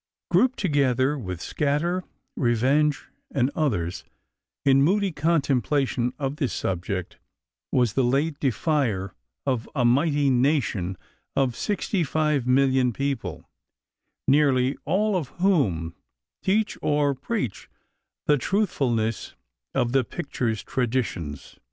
Grouped together with Scatter, Revenge, and others, in moody contemplation of this subject, was the late defier of a mighty nation of 65,000,000 people, nearly all of whom teach or preach the truthfulness of the picture's traditions.